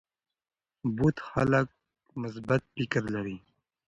بوخت خلک مثبت فکر لري.